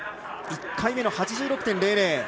１回目が８６．００。